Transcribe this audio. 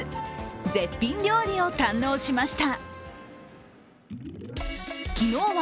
絶品料理を堪能しました。